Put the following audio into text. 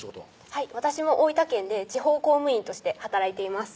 はい私も大分県で地方公務員として働いています